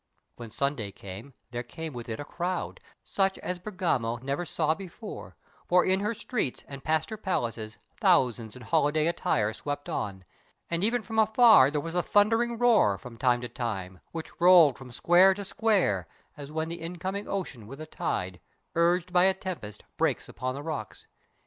When Sunday came there came with it a crowd Such as Bergamo never saw before, For in her streets and past her palaces Thousands in holiday attire swept on, And even afar there was a thundering roar, From time to time, which rolled from square to square, As when the incoming ocean, with a tide Urged by a tempest, breaks among the rocks.